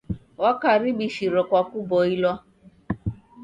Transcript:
Wakaribishiro kwa kuboilwa.